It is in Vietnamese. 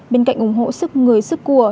bên cạnh ủng hộ sức người sức của